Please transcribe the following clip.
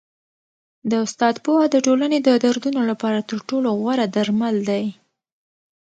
د استاد پوهه د ټولني د دردونو لپاره تر ټولو غوره درمل دی.